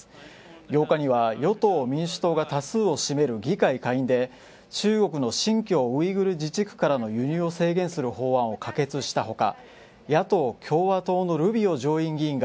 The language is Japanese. ８日には与党・民主党が多数を占める議会下院で中国の新疆ウイグル自治区からの輸入を制限する法案を可決したほか野党・共和党のルビオ上院議員が